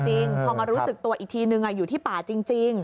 พอมารู้สึกตัวอีกทีนึงอยู่ที่ป่าจริง